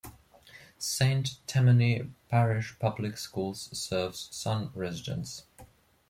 Saint Tammany Parish Public Schools serves Sun residents.